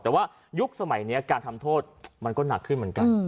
แต่ว่ายุคสมัยนี้การทำโทษมันก็หนักขึ้นเหมือนกัน